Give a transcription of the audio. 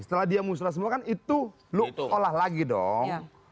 setelah dia musrah semua kan itu lo olah lagi dong